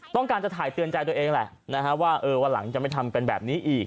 ต้องการจะถ่ายเตือนใจตัวเองแหละว่าวันหลังจะไม่ทำเป็นแบบนี้อีก